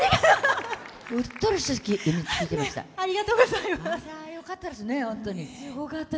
うっとりして聴いてました。